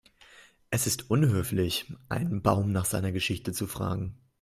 Es ist unhöflich, einen Baum nach seiner Geschichte zu fragen.